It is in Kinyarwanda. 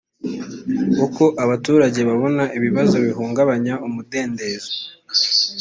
uko abaturage babona ibibazo bihungabanya umudendezo